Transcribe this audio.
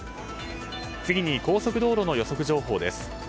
次に、高速道路の予測情報です。